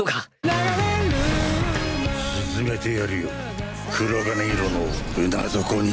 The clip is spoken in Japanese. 沈めてやるよ、黒鉄色の船底に。